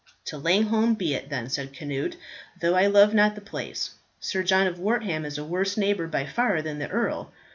"To Langholm be it, then," said Cnut, "though I love not the place. Sir John of Wortham is a worse neighbour by far than the earl.